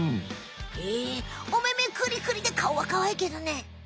へえおめめくりくりでかおはかわいいけどね。